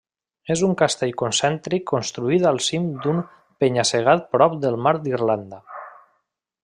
És un castell concèntric construït al cim d'un penya-segat prop del mar d'Irlanda.